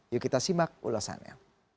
yuk kita simak ulasannya